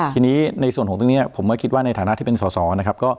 ทีนี้ในส่วนของตรงนี้ผมก็คิดว่าในฐานะที่เป็นสอสอนะครับ